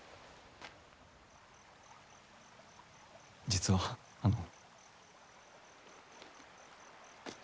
実はあの。